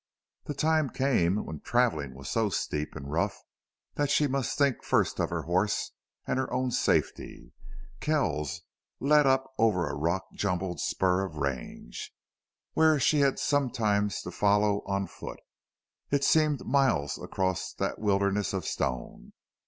The time came when traveling was so steep and rough that she must think first of her horse and her own safety. Kells led up over a rock jumbled spur of range, where she had sometimes to follow on foot. It seemed miles across that wilderness of stone.